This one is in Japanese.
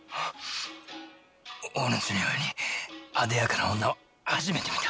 おぬしのようにあでやかな女は初めて見た。